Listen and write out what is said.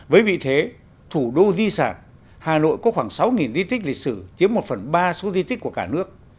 với vị thế thủ đô di sản hà nội có khoảng sáu di tích lịch sử chiếm một phần ba số di tích của cả nước